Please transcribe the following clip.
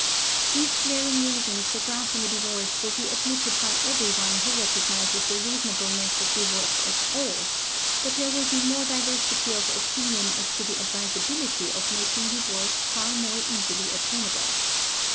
These glaring reasons for granting a divorce will be admitted by everyone who recognises the reasonableness of divorce at all, but there will be more diversity of opinion as to the advisability of making divorce far more easily attainable.